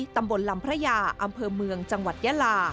ตำบลลำพระยาอำเภอเมืองจังหวัดยาลา